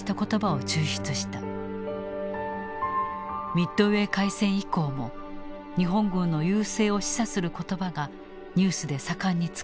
ミッドウェー海戦以降も日本軍の優勢を示唆する言葉がニュースで盛んに使われていく。